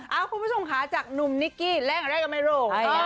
เอ้าคุณผู้ชมค่ะจากหนุ่มนิกกี้แรกกับไมโรค